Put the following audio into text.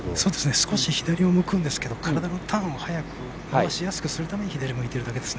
少し左を向くんですが体のターンを早く戻しやすくするために向いてるだけです。